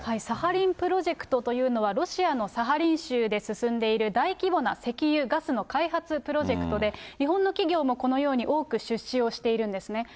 サハリンプロジェクトというのは、ロシアのサハリン州で進んでいる大規模な石油・ガスの開発プロジェクトで、日本の企業もこのように多く出資をしているんですね。